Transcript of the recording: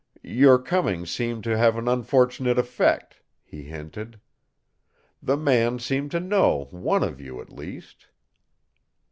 "Your coming seemed to have an unfortunate effect," he hinted. "The man seemed to know one of you at least."